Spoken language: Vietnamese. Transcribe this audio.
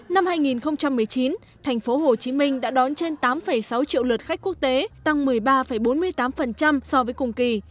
năm hai nghìn một mươi chín tp hcm đã đón trên tám sáu triệu lượt khách quốc tế tăng một mươi ba bốn mươi tám so với cùng kỳ